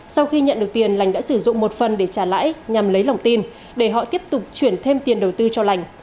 sau khi nhận được tiền lành đã sử dụng một phần để trả lãi nhằm lấy lòng tin để họ tiếp tục chuyển thêm tiền đầu tư cho lành